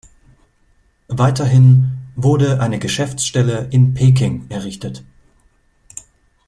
Weiterhin wurde eine Geschäftsstelle in Peking errichtet.